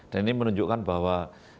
dan ini menunjukkan bahwa